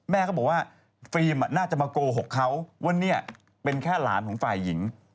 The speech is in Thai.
แม่ก็บอกว่าฟิล์มน่าจะมาโกหกเขาว่าเนี่ยเป็นแค่หลานของฝ่ายหญิง